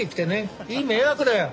いい迷惑だよ。